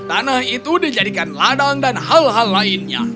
tanah itu dijadikan ladang dan hal hal lainnya